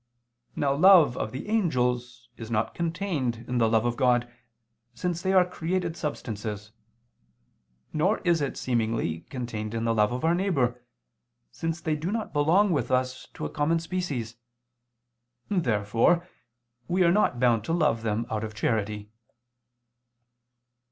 Now love of the angels is not contained in the love of God, since they are created substances; nor is it, seemingly, contained in the love of our neighbor, since they do not belong with us to a common species. Therefore we are not bound to love them out of charity.